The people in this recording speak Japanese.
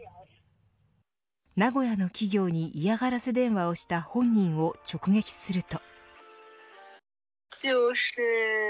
名古屋の企業に嫌がらせ電話をした本人を直撃すると。